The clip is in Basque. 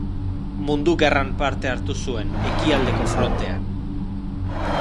Mundu Gerran parte hartu zuen, ekialdeko frontean.